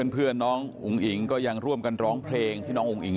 เพื่อนน้องอุ๋งอิ๋งก็ยังร่วมกันร้องเพลงที่น้องอุ้งอิง